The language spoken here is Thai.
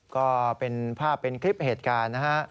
ก็เป็นภาพเป็นคลิปเหตุการณ์นะฮะ